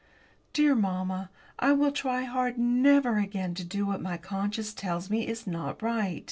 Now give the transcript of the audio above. Dear mamma, I will try hard never again to do what my conscience tells me is not right.